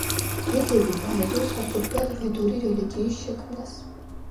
ვედები დაედო საფუძვლად ვედური რელიგიის შექმნას.